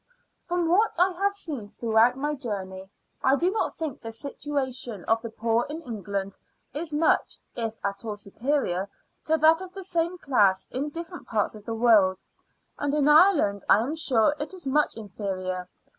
From what I have seen throughout my journey, I do not think the situation of the poor in England is much, if at all, superior to that of the same class in different parts of the world; and in Ireland I am sure it is much inferior.